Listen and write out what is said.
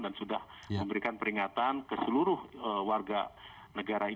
dan sudah memberikan peringatan ke seluruh warga negara indonesia